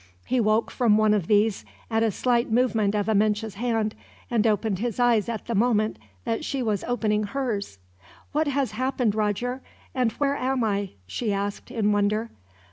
He woke from one of these at a slight movement of Amenche's hand, and opened his eyes at the moment that she was opening hers. "What has happened, Roger? And where am I?" she asked, in wonder.